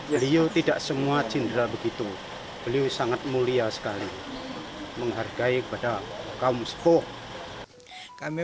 beliau tidak semua cindera begitu beliau sangat mulia sekali menghargai kepada kaum sepuh kami